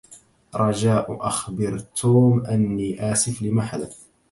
رجاء أخبر توم أني آسف لما حدث.